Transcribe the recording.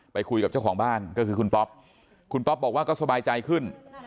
ไปคุยกับเจ้าของบ้านก็คือคุณป๊อปคุณป๊อปบอกว่าก็สบายใจขึ้น